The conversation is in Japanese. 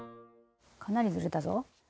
かなりずれたぞ。